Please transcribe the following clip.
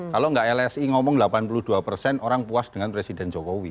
kalau nggak lsi ngomong delapan puluh dua persen orang puas dengan presiden jokowi